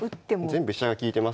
全部飛車が利いてますから。